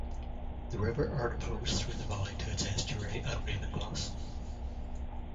The River Irt flows through the valley to its estuary at Ravenglass.